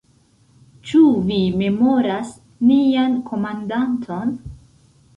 Ĉu vi memoras nian komandanton?